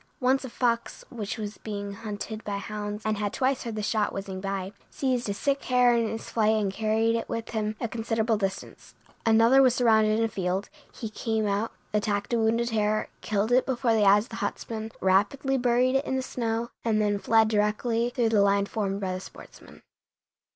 Once a fox, which was being hunted by hounds and had twice heard the shot whizzing by, seized a sick hare in his flight and carried it with him a considerable distance. Another was surrounded in a field; he came out, attacked a wounded hare, killed it before the eyes of the huntsmen, rapidly buried it in the snow, and then fled directly through the line formed by the sportsmen.